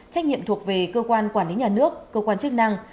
trách nhiệm thuộc về cơ quan quản lý nhà nước cơ quan chức năng